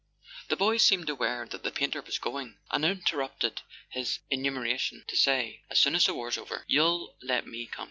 The boy seemed aware that the painter was going, and interrupted his enumer¬ ation to say: "As soon as the war's over you'll let me come